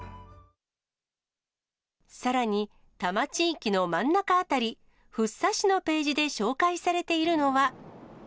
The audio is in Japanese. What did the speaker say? さらに、多摩地域の真ん中辺り、福生市のページで紹介されているのは。